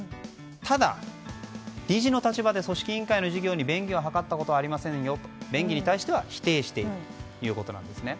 ただ、理事の立場で組織委員会に便宜を図ったことはありませんよと便宜に対しては否定しているということです。